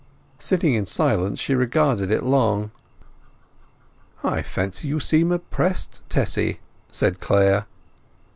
Sitting in silence she regarded it long. "I fancy you seem oppressed, Tessy," said Clare.